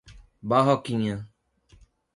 Barroquinha